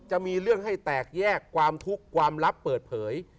จะมีเรื่องให้แตกแยกความทุกข์ความลับเปิดเผย